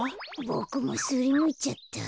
ボクもすりむいちゃった。